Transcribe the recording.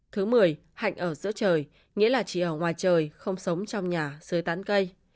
thứ một mươi hạnh ở giữa trời nghĩa là chị ở ngoài trời không sống trong nhà sơ tán cây